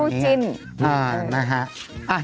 คู่จิน